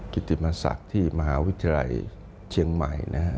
กิติมศักดิ์ที่มหาวิทยาลัยเชียงใหม่นะฮะ